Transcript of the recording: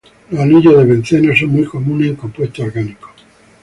Los anillos de benceno son muy comunes en compuestos orgánicos.